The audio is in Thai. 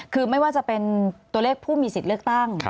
คือไม่ว่าจะเป็นตัวเลขผู้มีสิทธิ์เลือกตั้ง